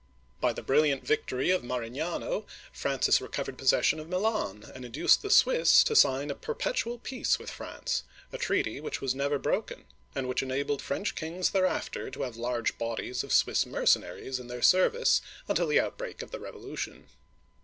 By the brilliant victory of Marignano, Francis recovered possession of Milan, and induced the Swiss to sign a per petual peace with France, — a treaty which was never broken, and which enabled French kings thereafter to have large bodies of Swiss mercenaries in their service until the outbreak of the Revolution.